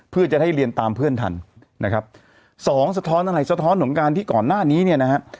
เพื่อจะได้เรียนตามเพื่อนทันนะครับสองสะท้อนอะไรสะท้อนของการที่ก่อนหน้านี้เนี่ยนะฮะ